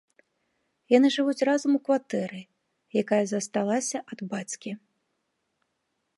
Яны жывуць разам у кватэры, якая засталася ад бацькі.